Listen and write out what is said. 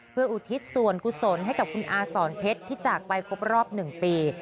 เพื่ออุทิศส่วนกุศลให้กับคุณอาสอนเพชรที่จากไปครบรอบ๑ปี